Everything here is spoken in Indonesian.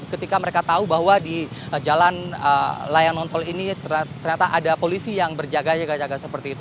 ketika mereka tahu bahwa di jalan layang nontol ini ternyata ada polisi yang berjaga jaga seperti itu